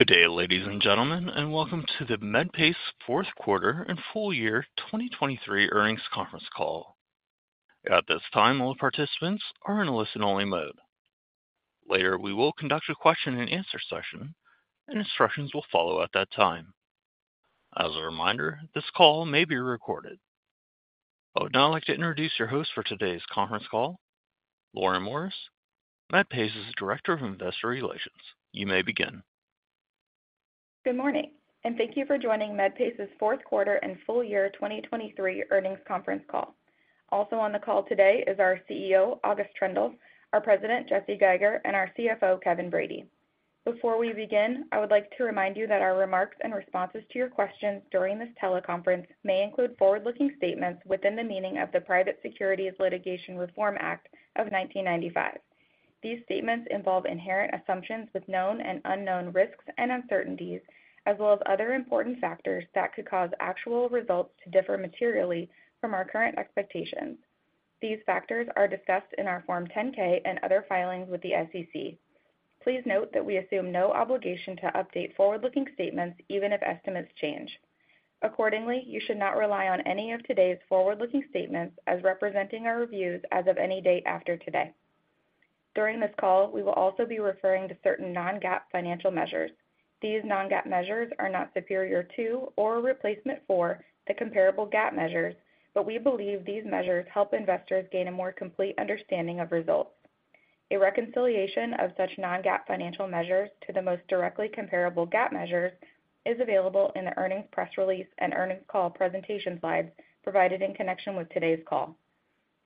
Good day, ladies and gentlemen, and welcome to the Medpace Fourth Quarter and Full Year 2023 Earnings Conference Call. At this time, all participants are in a listen-only mode. Later, we will conduct a question-and-answer session, and instructions will follow at that time. As a reminder, this call may be recorded. I would now like to introduce your host for today's conference call, Lauren Morris, Medpace's Director of Investor Relations. You may begin. Good morning, and thank you for joining Medpace's fourth quarter and full year 2023 earnings conference call. Also on the call today is our CEO, August Troendle, our President, Jesse Geiger, and our CFO, Kevin Brady. Before we begin, I would like to remind you that our remarks and responses to your questions during this teleconference may include forward-looking statements within the meaning of the Private Securities Litigation Reform Act of 1995. These statements involve inherent assumptions with known and unknown risks and uncertainties, as well as other important factors that could cause actual results to differ materially from our current expectations. These factors are discussed in our Form 10-K and other filings with the SEC. Please note that we assume no obligation to update forward-looking statements even if estimates change. Accordingly, you should not rely on any of today's forward-looking statements as representing our views as of any date after today. During this call, we will also be referring to certain Non-GAAP financial measures. These Non-GAAP measures are not superior to or replacement for the comparable GAAP measures, but we believe these measures help investors gain a more complete understanding of results. A reconciliation of such Non-GAAP financial measures to the most directly comparable GAAP measures is available in the earnings press release and earnings call presentation slides provided in connection with today's call.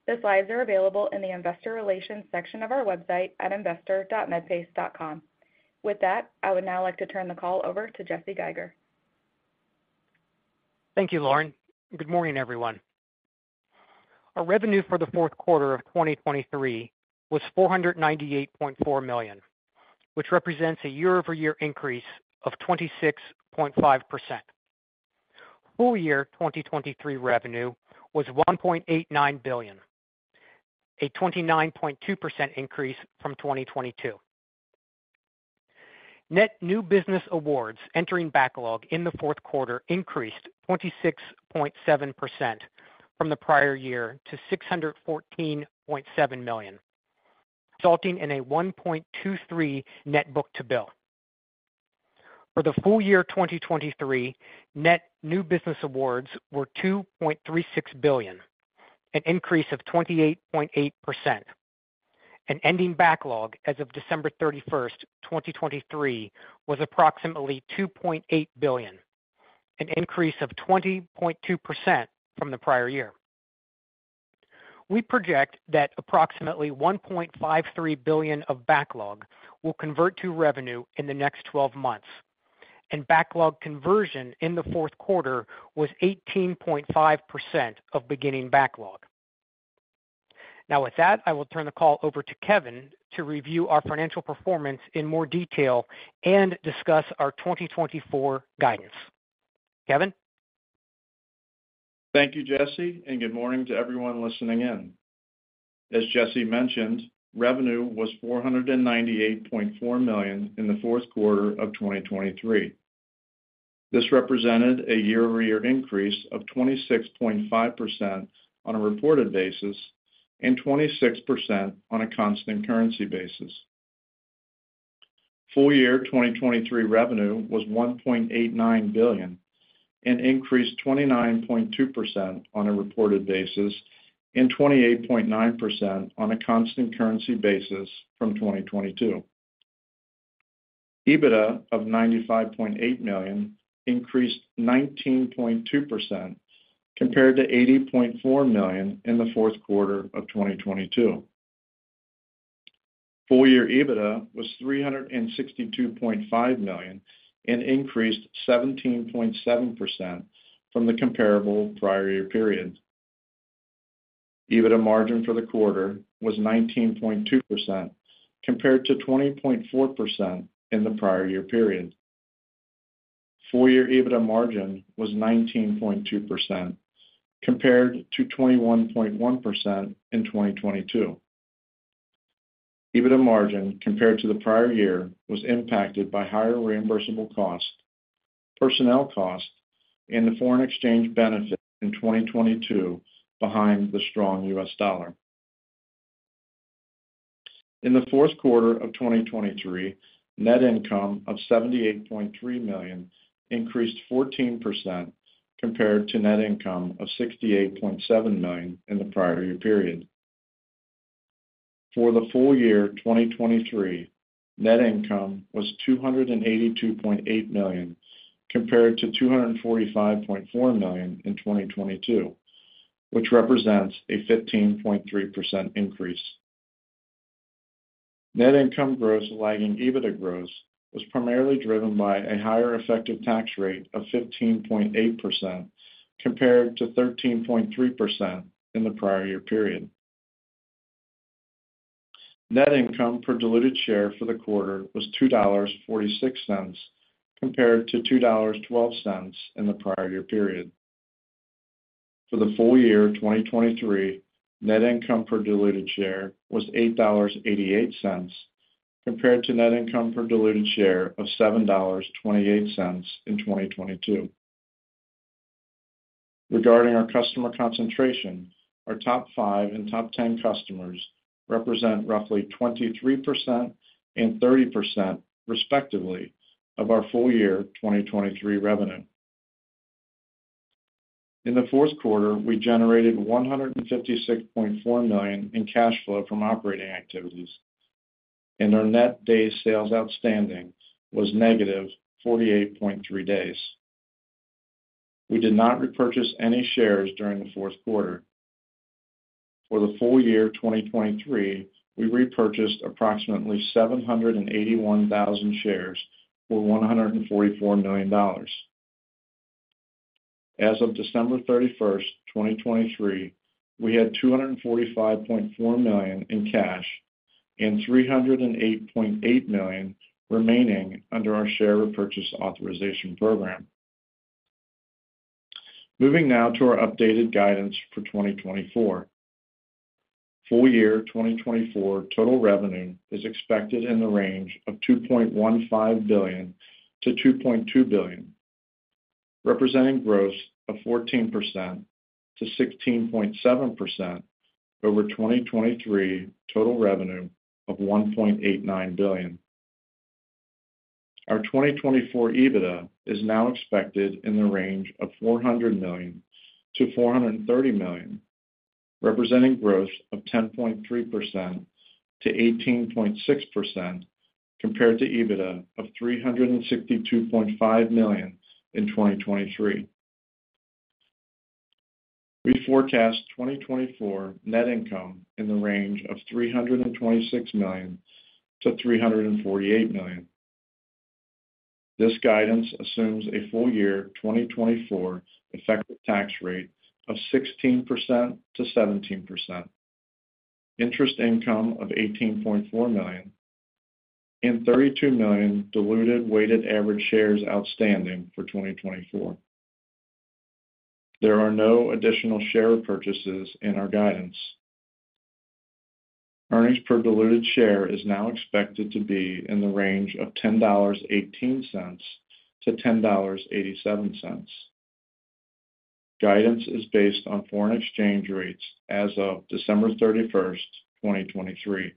The slides are available in the Investor Relations section of our website at investor.medpace.com. With that, I would now like to turn the call over to Jesse Geiger. Thank you, Lauren. Good morning, everyone. Our revenue for the fourth quarter of 2023 was $498.4 million, which represents a 26.5% year-over-year increase. Full year 2023 revenue was $1.89 billion, a 29.2% increase from 2022. Net New Business Awards entering backlog in the fourth quarter increased 26.7% from the prior year to $614.7 million, resulting in a 1.23 net book-to-bill. For the full year 2023, Net New Business Awards were $2.36 billion, an increase of 28.8%, and ending backlog as of December 31, 2023, was approximately $2.8 billion, an increase of 20.2% from the prior year. We project that approximately $1.53 billion of backlog will convert to revenue in the next twelve months, and backlog conversion in the fourth quarter was 18.5% of beginning backlog. Now, with that, I will turn the call over to Kevin to review our financial performance in more detail and discuss our 2024 guidance. Kevin? Thank you, Jesse, and good morning to everyone listening in. As Jesse mentioned, revenue was $498.4 million in the fourth quarter of 2023. This represented a year-over-year increase of 26.5% on a reported basis and 26% on a constant currency basis. Full year 2023 revenue was $1.89 billion, an increase 29.2% on a reported basis and 28.9% on a constant currency basis from 2022. EBITDA of $95.8 million increased 19.2% compared to $80.4 million in the fourth quarter of 2022. Full year EBITDA was $362.5 million and increased 17.7% from the comparable prior year period. EBITDA margin for the quarter was 19.2%, compared to 20.4% in the prior year period. Full year EBITDA margin was 19.2%, compared to 21.1% in 2022. EBITDA margin compared to the prior year, was impacted by higher reimbursable costs, personnel costs, and the foreign exchange benefit in 2022 behind the strong US dollar. In the fourth quarter of 2023, net income of $78.3 million increased 14% compared to net income of $68.7 million in the prior year period. For the full year 2023, net income was $282.8 million, compared to $245.4 million in 2022, which represents a 15.3% increase. Net income growth lagging EBITDA growth was primarily driven by a higher effective tax rate of 15.8%, compared to 13.3% in the prior year period. Net income per diluted share for the quarter was $2.46, compared to $2.12 in the prior year period....For the full year of 2023, net income per diluted share was $8.88, compared to net income per diluted share of $7.28 in 2022. Regarding our customer concentration, our top five and top 10 customers represent roughly 23% and 30%, respectively, of our full year 2023 revenue. In the fourth quarter, we generated $156.4 million in cash flow from operating activities, and our Net Days Sales Outstanding was -48.3 days. We did not repurchase any shares during the fourth quarter. For the full year 2023, we repurchased approximately 781,000 shares for $144 million. As of December 31, 2023, we had $245.4 million in cash and $308.8 million remaining under our share repurchase authorization program. Moving now to our updated guidance for 2024. Full year 2024 total revenue is expected in the range of $2.15 billion-$2.2 billion, representing growth of 14%-16.7% over 2023 total revenue of $1.89 billion. Our 2024 EBITDA is now expected in the range of $400 million-$430 million, representing growth of 10.3%-18.6% compared to EBITDA of $362.5 million in 2023. We forecast 2024 net income in the range of $326 million-$348 million. This guidance assumes a full year 2024 effective tax rate of 16%-17%, interest income of $18.4 million, and 32 million diluted weighted average shares outstanding for 2024. There are no additional share purchases in our guidance. Earnings per diluted share is now expected to be in the range of $10.18-$10.87. Guidance is based on foreign exchange rates as of December 31, 2023.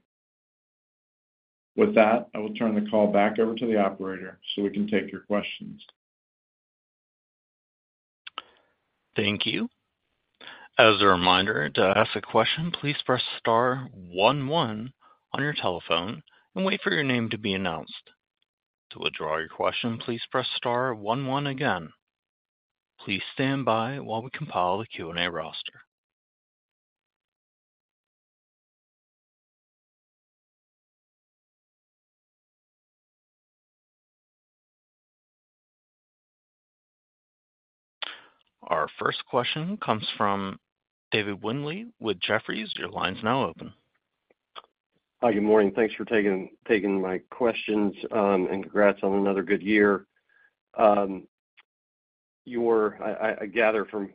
With that, I will turn the call back over to the operator, so we can take your questions. Thank you. As a reminder, to ask a question, please press star one, one on your telephone and wait for your name to be announced. To withdraw your question, please press star one, one again. Please stand by while we compile the Q&A roster. Our first question comes from David Windley with Jefferies. Your line's now open. Hi, good morning. Thanks for taking my questions, and congrats on another good year. I gather from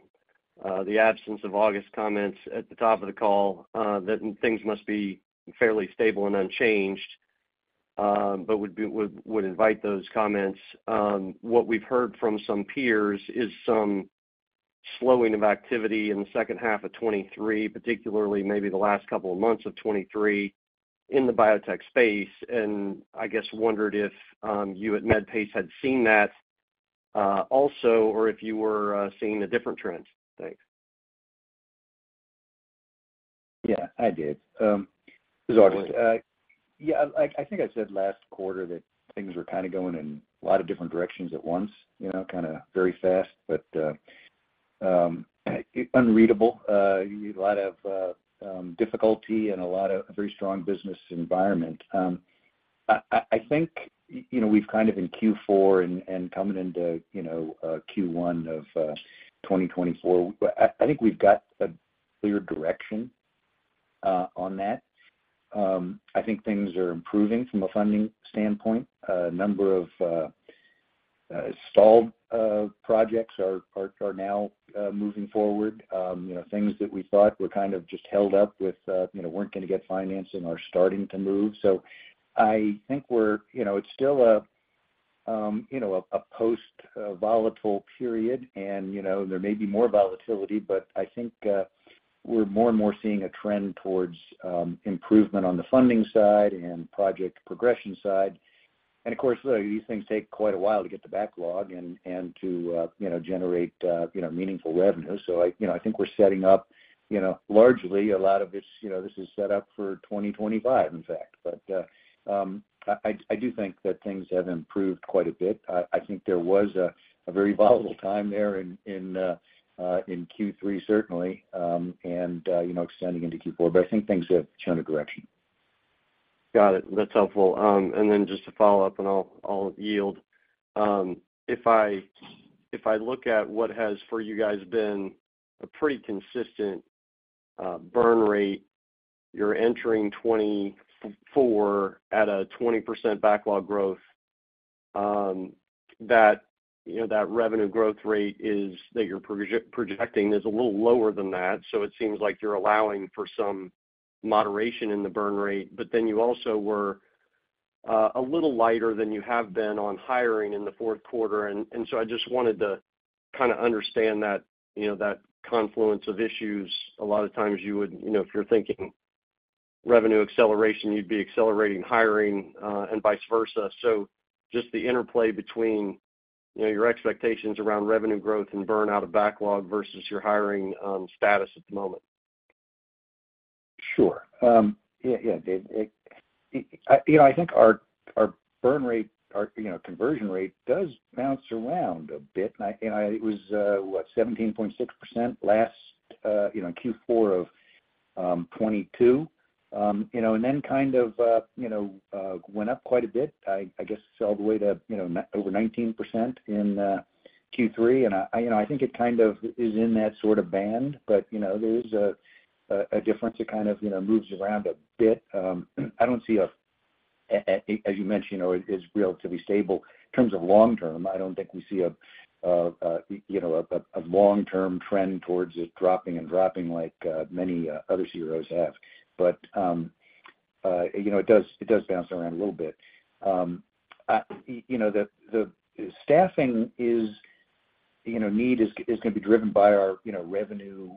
the absence of August's comments at the top of the call that things must be fairly stable and unchanged, but would invite those comments. What we've heard from some peers is some slowing of activity in the second half of 2023, particularly maybe the last couple of months of 2023 in the biotech space, and I guess wondered if you at Medpace had seen that also, or if you were seeing a different trend. Thanks. Yeah, I did. This is August. Yeah, I think I said last quarter that things were kind of going in a lot of different directions at once, you know, kind of very fast, but you need a lot of difficulty and a lot of very strong business environment. I think, you know, we've kind of in Q4 and coming into, you know, Q1 of 2024, but I think we've got a clear direction on that. I think things are improving from a funding standpoint. A number of stalled projects are now moving forward. You know, things that we thought were kind of just held up with, you know, weren't going to get financing are starting to move. So I think we're, you know, it's still a, you know, a post-volatile period and, you know, there may be more volatility, but I think, we're more and more seeing a trend towards, improvement on the funding side and project progression side. And of course, these things take quite a while to get the backlog and, and to, you know, generate, you know, meaningful revenue. So, you know, I think we're setting up, you know, largely a lot of this, you know, this is set up for 2025, in fact. But, I do think that things have improved quite a bit. I think there was a very volatile time there in Q3, certainly, and, you know, extending into Q4, but I think things have turned a direction. Got it. That's helpful. And then just to follow up, and I'll yield. If I look at what has, for you guys, been a pretty consistent burn rate, you're entering 2024 at a 20% backlog growth. That revenue growth rate that you're projecting is a little lower than that, so it seems like you're allowing for some moderation in the burn rate. But then you also were a little lighter than you have been on hiring in the fourth quarter, and so I just wanted to kind of understand that confluence of issues. A lot of times you would, if you're thinking revenue acceleration, you'd be accelerating hiring, and vice versa. So just the interplay between, you know, your expectations around revenue growth and burn out of backlog versus your hiring status at the moment? Sure. Yeah, yeah, Dave, it. You know, I think our burn rate, our, you know, conversion rate does bounce around a bit, and I, it was, what, 17.6% last, you know, Q4 of 2022. You know, and then kind of, you know, went up quite a bit, I guess, all the way to, you know, over 19% in Q3. And I, you know, I think it kind of is in that sort of band, but, you know, there is a difference. It kind of, you know, moves around a bit. I don't see a as you mentioned, you know, it is relatively stable. In terms of long term, I don't think we see a you know a long-term trend towards it dropping and dropping like many other CROs have. But you know it does it does bounce around a little bit. You know the the staffing is you know need is is gonna be driven by our you know revenue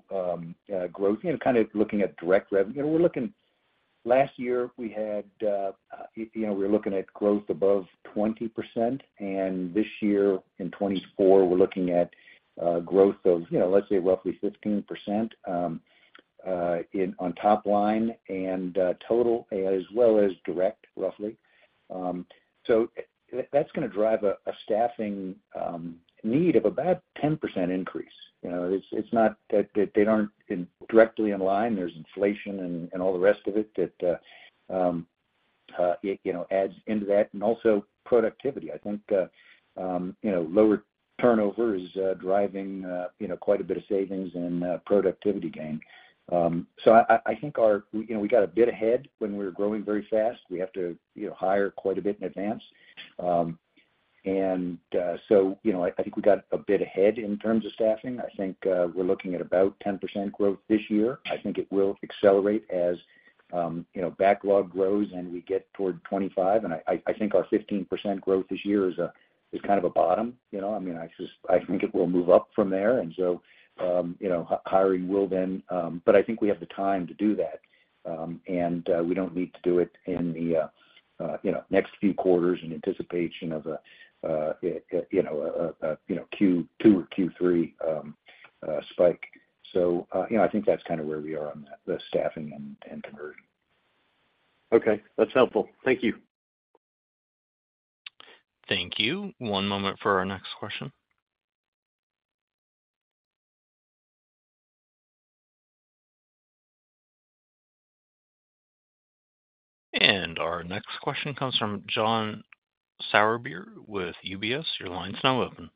growth. You know kind of looking at direct revenue. You know we're looking -- last year we had you know we were looking at growth above 20%, and this year in 2024 we're looking at growth of you know let's say roughly 15% in on top line and total as well as direct roughly. So that's gonna drive a staffing need of about 10% increase. You know, it's not that they aren't indirectly in line. There's inflation and all the rest of it that you know adds into that, and also productivity. I think you know lower turnover is driving you know quite a bit of savings and productivity gain. So I think we got a bit ahead when we were growing very fast. We have to you know hire quite a bit in advance. And so you know I think we got a bit ahead in terms of staffing. I think we're looking at about 10% growth this year. I think it will accelerate as, you know, backlog grows and we get toward 25, and I think our 15% growth this year is kind of a bottom, you know? I mean, I just think it will move up from there, and so, you know, hiring will then. But I think we have the time to do that, and we don't need to do it in the, you know, next few quarters in anticipation of a, you know, Q2 or Q3 spike. So, you know, I think that's kind of where we are on that, the staffing and conversion. Okay. That's helpful. Thank you. Thank you. One moment for our next question. Our next question comes from John Sourbeer with UBS. Your line's now open.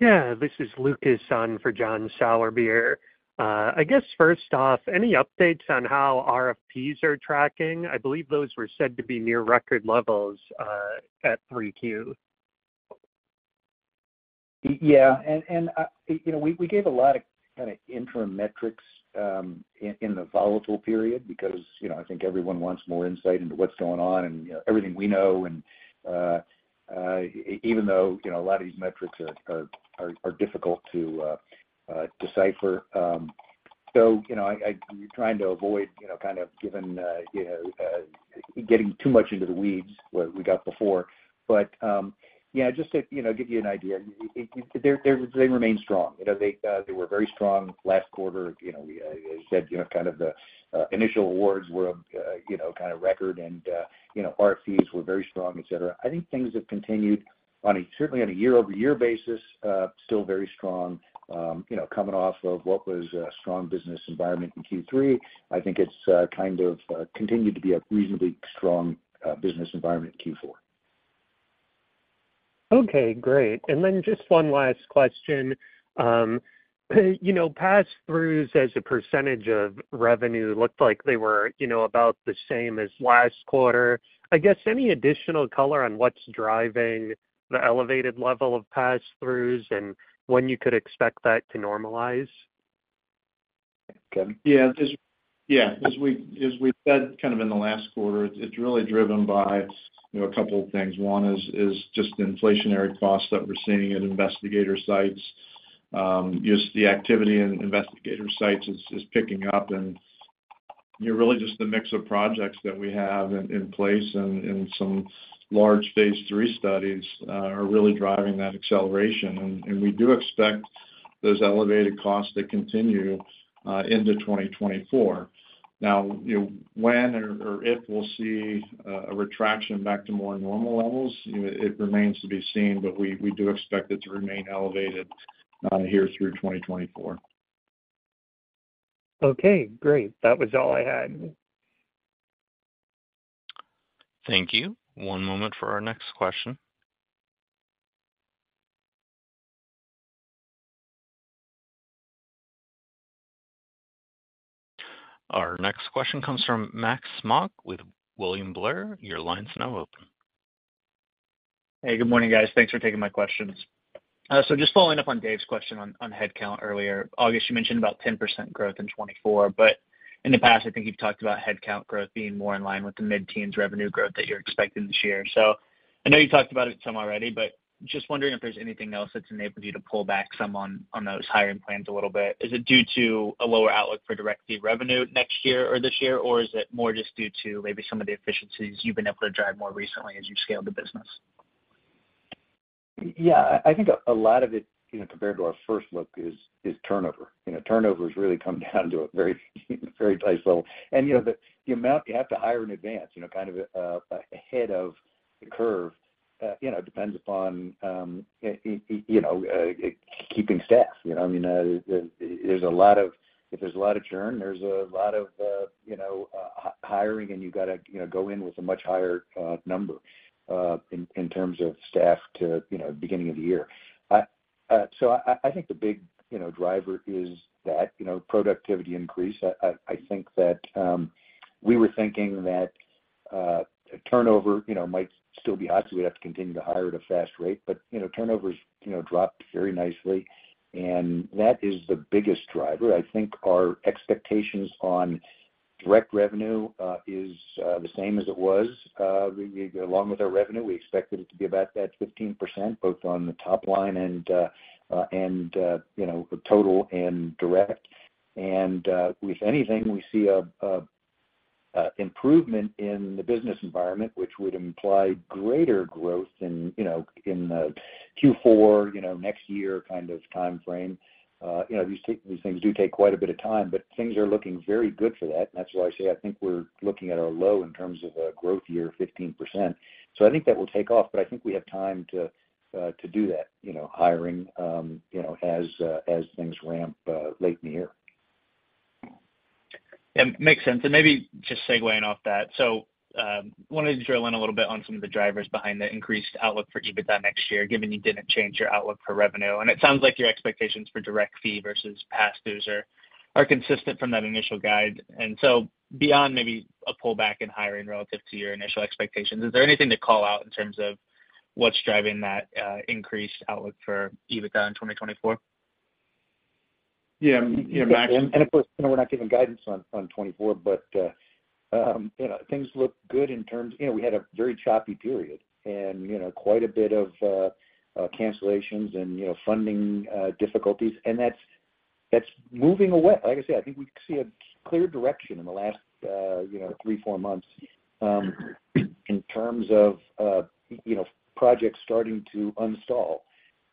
Yeah, this is Lucas on for John Sourbeer. I guess first off, any updates on how RFPs are tracking? I believe those were said to be near record levels at 3Q. Yeah, and you know, we gave a lot of kind of interim metrics in the volatile period, because you know, I think everyone wants more insight into what's going on and, you know, everything we know, and even though, you know, a lot of these metrics are difficult to decipher. So, you know, we're trying to avoid, you know, kind of giving, you know, getting too much into the weeds, what we got before. But yeah, just to, you know, give you an idea, they remain strong. You know, they were very strong last quarter. You know, we, as said, you know, kind of the initial awards were, you know, kind of record and, you know, RFPs were very strong, et cetera. I think things have continued on a certainly on a year-over-year basis, still very strong. You know, coming off of what was a strong business environment in Q3, I think it's kind of continued to be a reasonably strong business environment in Q4. Okay, great. And then just one last question: you know, pass-throughs as a percentage of revenue looked like they were, you know, about the same as last quarter. I guess, any additional color on what's driving the elevated level of pass-throughs, and when you could expect that to normalize? Kevin? Yeah, as we said, kind of in the last quarter, it's really driven by, you know, a couple of things. One is just inflationary costs that we're seeing at investigator sites. Just the activity in investigator sites is picking up, and, you know, really just the mix of projects that we have in place and in some large Phase 3 studies are really driving that acceleration. And we do expect those elevated costs to continue into 2024. Now, you know, when or if we'll see a retraction back to more normal levels, you know, it remains to be seen, but we do expect it to remain elevated here through 2024. Okay, great. That was all I had. Thank you. One moment for our next question.... Our next question comes from Max Smock with William Blair. Your line's now open. Hey, good morning, guys. Thanks for taking my questions. So just following up on Dave's question on headcount earlier. August, you mentioned about 10% growth in 2024, but in the past, I think you've talked about headcount growth being more in line with the mid-teens revenue growth that you're expecting this year. So I know you talked about it some already, but just wondering if there's anything else that's enabled you to pull back some on those hiring plans a little bit. Is it due to a lower outlook for direct fee revenue next year or this year? Or is it more just due to maybe some of the efficiencies you've been able to drive more recently as you've scaled the business? Yeah, I think a lot of it, you know, compared to our first look is turnover. You know, turnover has really come down to a very, very tight level. And, you know, the amount you have to hire in advance, you know, kind of ahead of the curve, you know, depends upon you know keeping staff. You know, I mean, there's a lot of if there's a lot of churn, there's a lot of, you know, hiring, and you gotta, you know, go in with a much higher number in terms of staff to, you know, beginning of the year. I so I think the big, you know, driver is that, you know, productivity increase. I think that we were thinking that turnover, you know, might still be hot, so we'd have to continue to hire at a fast rate. But, you know, turnover's, you know, dropped very nicely, and that is the biggest driver. I think our expectations on direct revenue is the same as it was. We, along with our revenue, we expected it to be about that 15%, both on the top line and and you know, total and direct. And with anything, we see a improvement in the business environment, which would imply greater growth in, you know, in the Q4, you know, next year kind of time frame. You know, these things do take quite a bit of time, but things are looking very good for that. And that's why I say I think we're looking at a low in terms of a growth year of 15%. So I think that will take off, but I think we have time to do that, you know, hiring, you know, as things ramp late in the year. Yeah, makes sense. And maybe just segueing off that. So, wanted to drill in a little bit on some of the drivers behind the increased outlook for EBITDA next year, given you didn't change your outlook for revenue. And it sounds like your expectations for direct fee versus pass-throughs are, are consistent from that initial guide. And so beyond maybe a pullback in hiring relative to your initial expectations, is there anything to call out in terms of what's driving that, increased outlook for EBITDA in 2024? Yeah, yeah, Max, and, and of course, you know, we're not giving guidance on, on 2024, but, you know, things look good in terms... You know, we had a very choppy period and, you know, quite a bit of, cancellations and, you know, funding, difficulties, and that's, that's moving away. Like I said, I think we see a clear direction in the last, you know, three, four months, in terms of, you know, projects starting to install,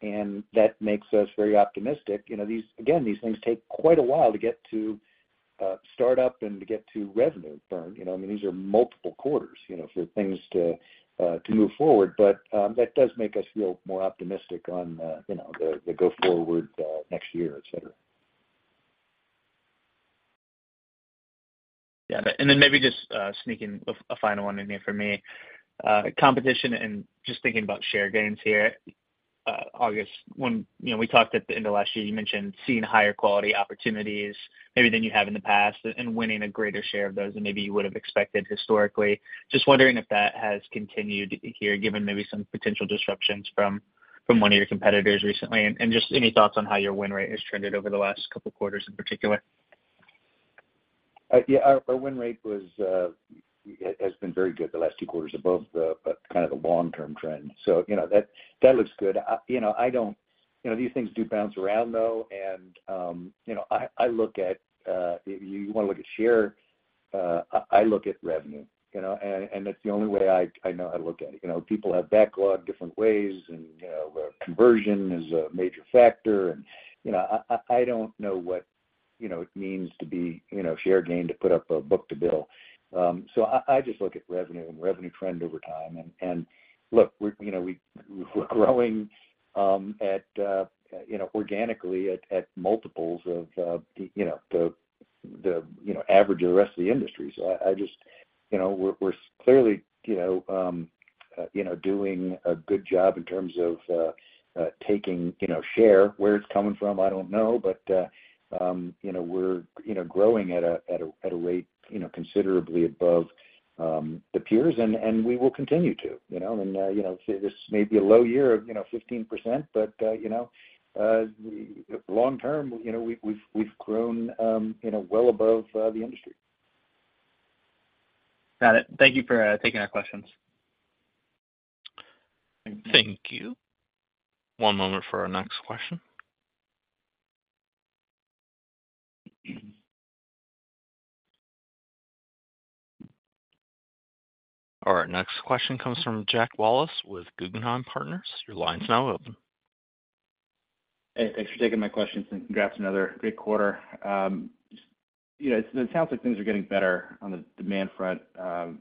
and that makes us very optimistic. You know, these, again, these things take quite a while to get to, start up and to get to revenue burn. You know, I mean, these are multiple quarters, you know, for things to, to move forward, but, that does make us feel more optimistic on, you know, the, the go forward, next year, et cetera. Yeah, and then maybe just sneaking a final one in here for me. Competition and just thinking about share gains here, August, when, you know, we talked at the end of last year, you mentioned seeing higher quality opportunities maybe than you have in the past and winning a greater share of those than maybe you would have expected historically. Just wondering if that has continued here, given maybe some potential disruptions from one of your competitors recently? And just any thoughts on how your win rate has trended over the last couple quarters in particular. Yeah, our win rate has been very good the last two quarters, above the kind of the long-term trend. So, you know, that looks good. You know, I don't... You know, these things do bounce around, though, and, you know, I look at, if you want to look at share, I look at revenue, you know, and that's the only way I know how to look at it. You know, people have backlog different ways, and, you know, conversion is a major factor. And, you know, I don't know what, you know, it means to be, you know, share gain, to put up a book-to-bill. So I just look at revenue and revenue trend over time. And look, we're, you know, we're growing organically at multiples of, you know, the average of the rest of the industry. So I just, you know, we're clearly, you know, doing a good job in terms of taking, you know, share. Where it's coming from, I don't know, but, you know, we're growing at a rate considerably above the peers, and we will continue to, you know. And, you know, this may be a low year of 15%, but, you know, long term, you know, we've grown well above the industry. Got it. Thank you for taking our questions. Thank you. One moment for our next question. All right, next question comes from Jack Wallace with Guggenheim Partners. Your line's now open. Hey, thanks for taking my questions, and congrats on another great quarter. You know, it sounds like things are getting better on the demand front. Just wondering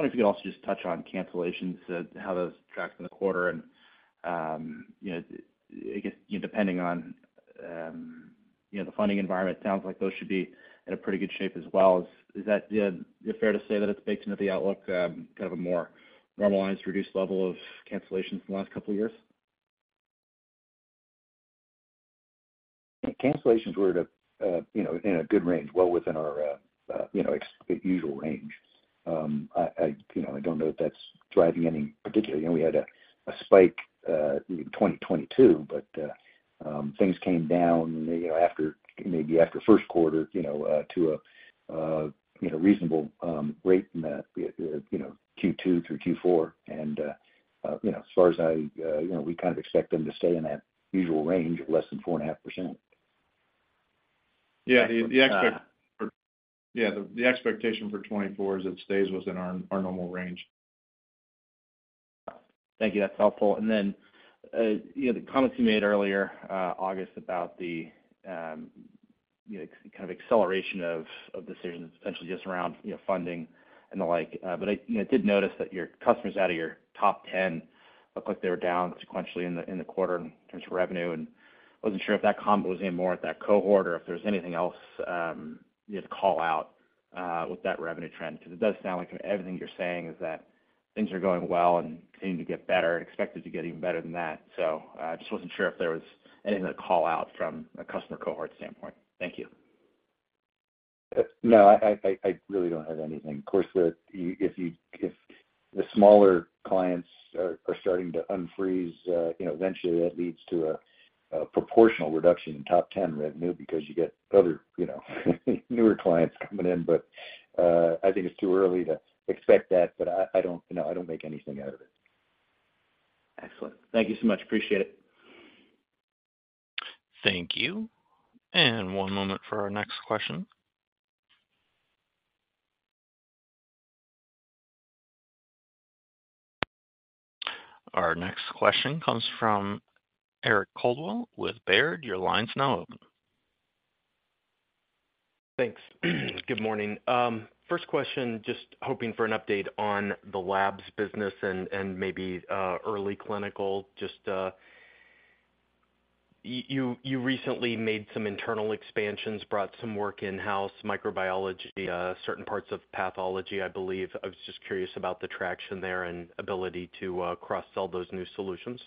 if you could also just touch on cancellations, how those tracked in the quarter, and, you know, I guess, depending on, you know, the funding environment, it sounds like those should be in a pretty good shape as well. Is, is that, fair to say that it's baked into the outlook, kind of a more normalized, reduced level of cancellations in the last couple of years?... Cancellations were at a, you know, in a good range, well within our, you know, usual range. You know, I don't know if that's driving any particularly. You know, we had a spike in 2022, but things came down, you know, after, maybe after first quarter, you know, to a, you know, reasonable rate in the, you know, Q2 through Q4. And, you know, as far as I... You know, we kind of expect them to stay in that usual range of less than 4.5%. Yeah, the expectation for 2024 is it stays within our normal range. Thank you. That's helpful. And then, you know, the comments you made earlier, August, about the, you know, kind of acceleration of decisions essentially just around, you know, funding and the like. But I, you know, I did notice that your customers out of your top ten looked like they were down sequentially in the quarter in terms of revenue, and wasn't sure if that combo was aimed more at that cohort or if there was anything else, you'd call out, with that revenue trend. Because it does sound like everything you're saying is that things are going well and seem to get better and expected to get even better than that. So I just wasn't sure if there was anything to call out from a customer cohort standpoint. Thank you. No, I really don't have anything. Of course, if the smaller clients are starting to unfreeze, you know, eventually that leads to a proportional reduction in top 10 revenue because you get other, you know, newer clients coming in. But, I think it's too early to expect that, but I don't, you know, I don't make anything out of it. Excellent. Thank you so much. Appreciate it. Thank you. One moment for our next question. Our next question comes from Eric Coldwell with Baird. Your line's now open. Thanks. Good morning. First question, just hoping for an update on the labs business and maybe early clinical. Just, you recently made some internal expansions, brought some work in-house, microbiology, certain parts of pathology, I believe. I was just curious about the traction there and ability to cross-sell those new solutions.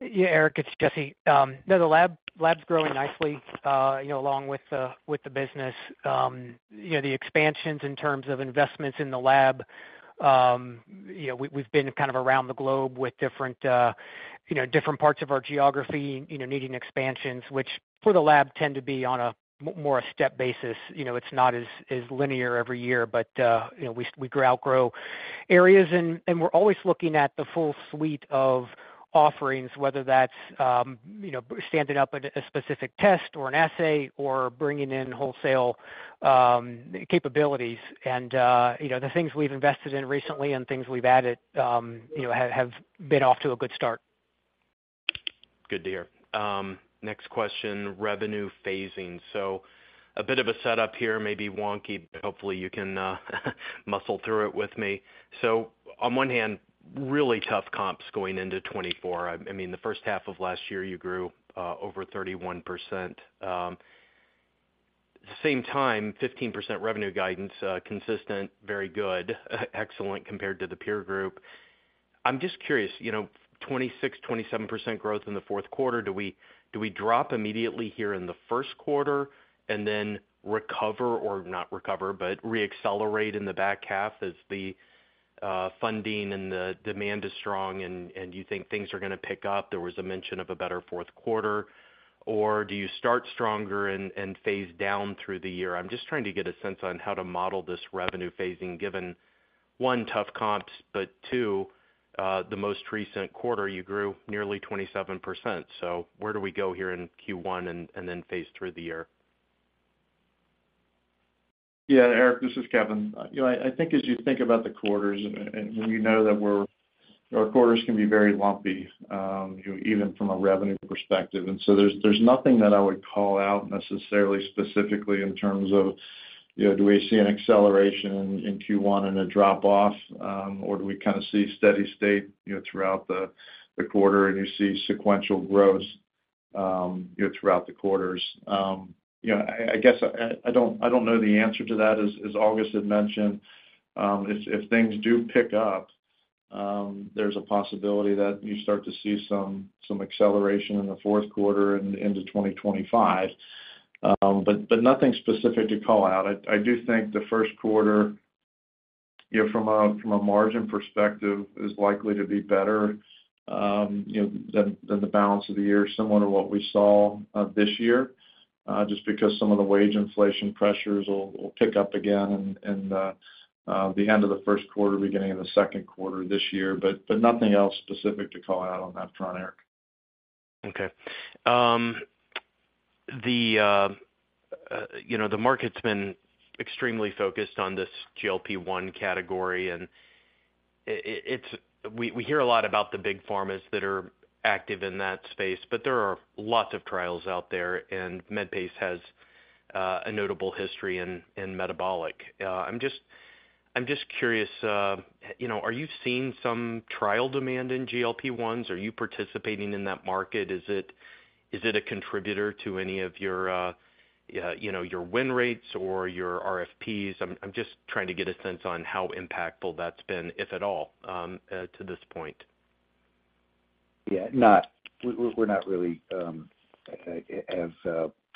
Yeah, Eric, it's Jesse. No, the lab's growing nicely, you know, along with the business. You know, the expansions in terms of investments in the lab, you know, we've been kind of around the globe with different, you know, different parts of our geography, you know, needing expansions, which for the lab tend to be on a more step basis. You know, it's not as linear every year, but, you know, we outgrow areas, and we're always looking at the full suite of offerings, whether that's, you know, standing up a specific test or an assay or bringing in wholesale capabilities. And, you know, the things we've invested in recently and things we've added, you know, have been off to a good start. Good to hear. Next question, revenue phasing. So a bit of a setup here, may be wonky, but hopefully you can muscle through it with me. So on one hand, really tough comps going into 2024. I mean, the first half of last year, you grew over 31%. At the same time, 15% revenue guidance, consistent, very good, excellent compared to the peer group. I'm just curious, you know, 26%-27% growth in the fourth quarter, do we drop immediately here in the first quarter and then recover, or not recover, but reaccelerate in the back half as the funding and the demand is strong and you think things are going to pick up? There was a mention of a better fourth quarter. Or do you start stronger and phase down through the year? I'm just trying to get a sense on how to model this revenue phasing, given, one, tough comps, but two, the most recent quarter, you grew nearly 27%. So where do we go here in Q1 and, and then phase through the year? Yeah, Eric, this is Kevin. You know, I think as you think about the quarters, and you know that we're our quarters can be very lumpy, you know, even from a revenue perspective. And so there's nothing that I would call out necessarily specifically in terms of, you know, do we see an acceleration in Q1 and a drop-off, or do we kind of see steady state, you know, throughout the quarter and you see sequential growth, you know, throughout the quarters? You know, I guess I don't know the answer to that. As August had mentioned, if things do pick up, there's a possibility that you start to see some acceleration in the fourth quarter and into 2025, but nothing specific to call out. I do think the first quarter, you know, from a margin perspective, is likely to be better, you know, than the balance of the year, similar to what we saw this year, just because some of the wage inflation pressures will pick up again in the end of the first quarter, beginning of the second quarter this year. But nothing else specific to call out on that front, Eric. Okay. You know, the market's been extremely focused on this GLP-1 category, and we hear a lot about the big pharmas that are active in that space, but there are lots of trials out there, and Medpace has a notable history in metabolic. I'm just curious, you know, are you seeing some trial demand in GLP-1s? Are you participating in that market? Is it a contributor to any of your, you know, your win rates or your RFPs? I'm just trying to get a sense on how impactful that's been, if at all, to this point. ... Yeah, we're not really have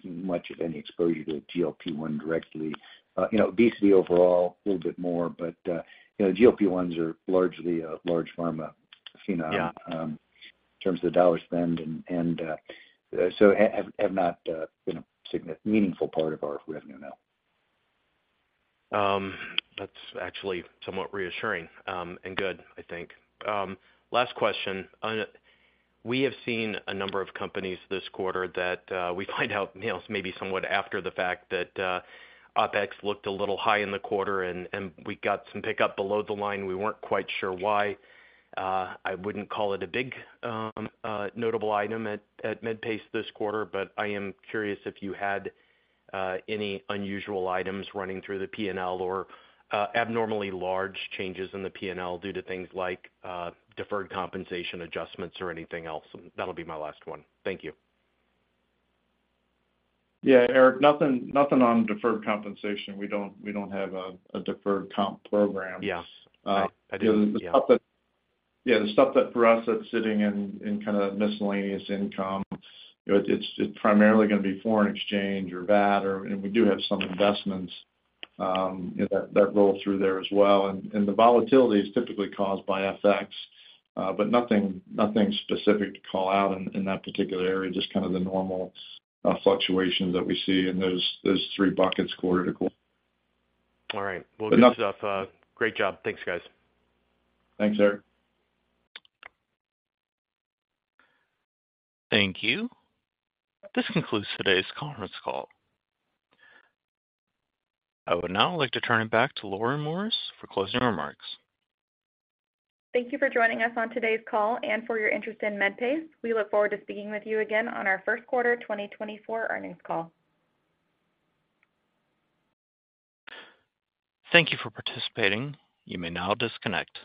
much of any exposure to GLP-1 directly. You know, obesity overall, a little bit more, but you know, GLP-1s are largely a large pharma phenom- Yeah. In terms of the dollar spend and so have not been a meaningful part of our revenue, no. That's actually somewhat reassuring, and good, I think. Last question. We have seen a number of companies this quarter that, we find out, you know, maybe somewhat after the fact that, OpEx looked a little high in the quarter, and we got some pickup below the line. We weren't quite sure why. I wouldn't call it a big, notable item at Medpace this quarter, but I am curious if you had any unusual items running through the PNL or abnormally large changes in the PNL due to things like deferred compensation adjustments or anything else? That'll be my last one. Thank you. Yeah, Eric, nothing on deferred compensation. We don't have a deferred comp program. Yeah. I do. Yeah. The stuff that for us, that's sitting in, in kinda miscellaneous income, you know, it's, it's primarily gonna be foreign exchange or VAT, or, and we do have some investments, you know, that, that roll through there as well. And, and the volatility is typically caused by FX. But nothing, nothing specific to call out in, in that particular area, just kind of the normal fluctuations that we see in those, those three buckets quarter to quarter. All right. But nothing- Well, great stuff. Great job. Thanks, guys. Thanks, Eric. Thank you. This concludes today's conference call. I would now like to turn it back to Lauren Morris for closing remarks. Thank you for joining us on today's call and for your interest in Medpace. We look forward to speaking with you again on our first quarter 2024 earnings call. Thank you for participating. You may now disconnect.